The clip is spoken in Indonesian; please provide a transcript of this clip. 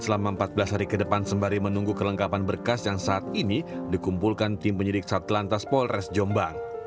selama empat belas hari ke depan sembari menunggu kelengkapan berkas yang saat ini dikumpulkan tim penyidik satlantas polres jombang